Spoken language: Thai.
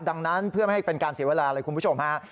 ดังนั้นเพื่อไม่ให้เป็นการเสียเวลาเลยคุณผู้ชมฮะ